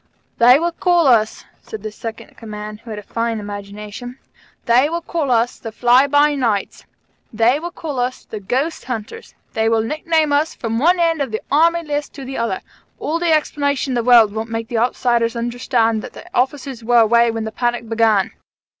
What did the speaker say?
"They will call us," said the Second in Command, who had really a fine imagination, "they will call us the 'Fly by Nights'; they will call us the 'Ghost Hunters'; they will nickname us from one end of the Army list to the other. All the explanations in the world won't make outsiders understand that the officers were away when the panic began.